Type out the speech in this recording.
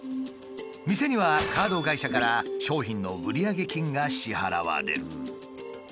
店にはカード会社から商品の売上金が支払われる。